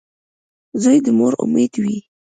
• زوی د مور امید وي.